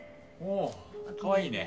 おかわいいね。